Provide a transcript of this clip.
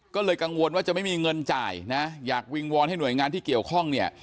ก็เลยกังวลว่าจะไม่มีเงินจ่ายนะอยากวิงวอนให้หน่วยงานที่เกี่ยวข้องเนี่ย